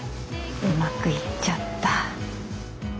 うまくいっちゃった。